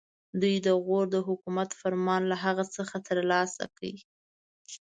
دوی د غور د حکومت فرمان له هغه څخه ترلاسه کړ.